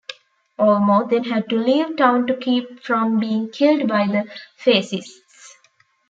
Olmo then had to leave town to keep from being killed by the fascists.